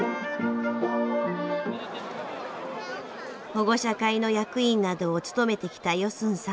保護者会の役員などを務めてきたヨスンさん。